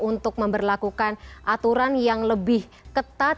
untuk memperlakukan aturan yang lebih ketat